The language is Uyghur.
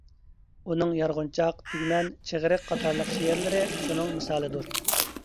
ئۇنىڭ «يارغۇنچاق» ، «تۈگمەن» ، «چىغرىق» قاتارلىق شېئىرلىرى شۇنىڭ مىسالىدۇر.